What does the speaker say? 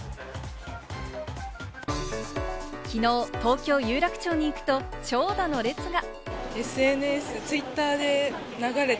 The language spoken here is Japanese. きのう東京・有楽町に行くと長蛇の列が。